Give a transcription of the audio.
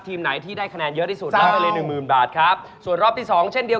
ทีมไหนที่ได้คะแนนเยอะที่สุด